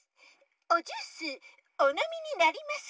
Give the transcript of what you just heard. おジュースおのみになりますか？